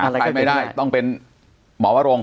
ถ้าใครไม่ได้ต้องเป็นหมอวรงค